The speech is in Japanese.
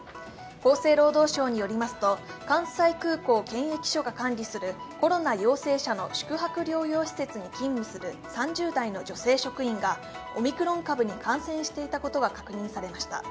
厚生労働省によりますと、関西空港検疫所が管理するコロナ陽性者の宿泊療養施設に勤務する３０代の女性職員がオミクロン株に感染していたことが確認されました。